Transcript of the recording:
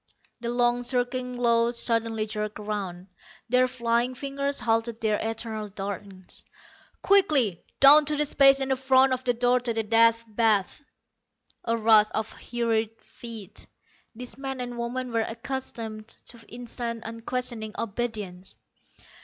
The long circling row suddenly jerked around; their flying fingers halted their eternal dartings. "Quickly, down to the space in front of the door to the Death Bath." A rush of hurried feet. These men and women were accustomed to instant, unquestioning obedience.